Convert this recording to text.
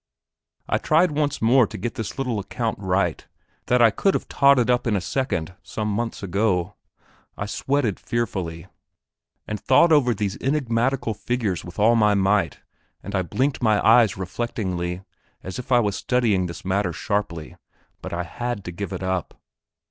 I tried once more to get this little account right, that I could have totted up in a second some months ago. I sweated fearfully, and thought over these enigmatical figures with all my might, and I blinked my eyes reflectingly, as if I was studying this matter sharply, but I had to give it up.